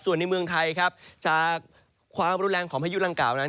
ส่วนในเมืองไทยครับจากความรุนแรงของพายุรังกล่านั้น